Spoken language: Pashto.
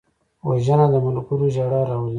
وژنه د ملګرو ژړا راولي